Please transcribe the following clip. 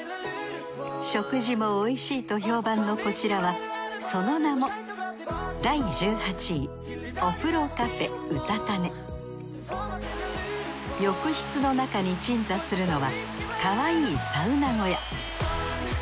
食事も美味しいと評判のこちらはその名も浴室の中に鎮座するのはかわいいサウナ小屋